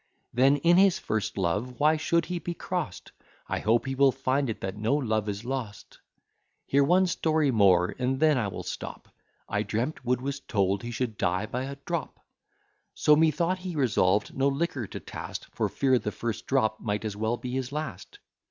Then in his first love why should he be crost? I hope he will find that no love is lost. Hear one story more, and then I will stop. I dreamt Wood was told he should die by a drop: So methought he resolved no liquor to taste, For fear the first drop might as well be his last.